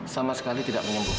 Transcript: sama sekali tidak menyembuhkan